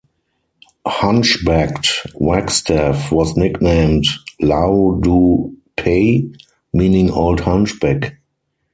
Hunch-backed, Wagstaff was nicknamed "Lao Doo Pei", meaning "Old Hunchback".